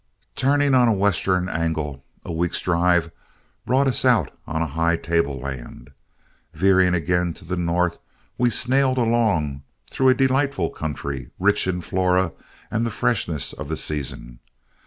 Turning on a western angle, a week's drive brought us out on a high tableland. Veering again to the north, we snailed along through a delightful country, rich in flora and the freshness of the season.